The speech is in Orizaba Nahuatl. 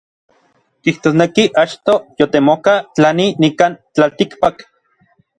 Kijtosneki achtoj yotemoka tlani nikan tlaltikpak.